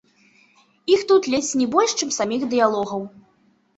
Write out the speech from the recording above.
Іх тут ледзь не больш, чым саміх дыялогаў.